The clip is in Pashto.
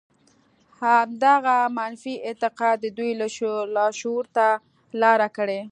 همدغه منفي اعتقاد د دوی لاشعور ته لاره کړې